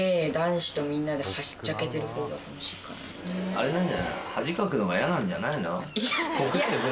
あれなんじゃないの？